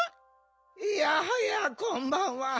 いやはやこんばんは。